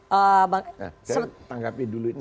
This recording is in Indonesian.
saya tanggapi dulu ini